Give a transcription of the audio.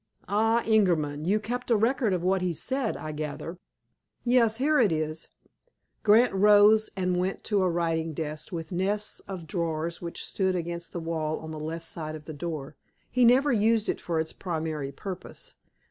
"Ah, Ingerman! You kept a record of what he said, I gather?" "Yes, here it is." Grant rose, and went to a writing desk with nests of drawers which stood against the wall on the left of the door. He never used it for its primary purpose.